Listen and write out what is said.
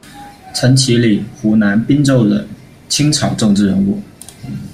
陈起礼，湖南郴州人，清朝政治人物。